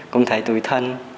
cũng thấy tùy thân